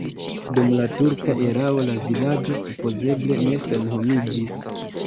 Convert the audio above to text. Dum la turka erao la vilaĝo supozeble ne senhomiĝis.